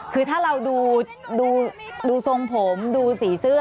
คือถ้าเราดูทรงผมดูสีเสื้อ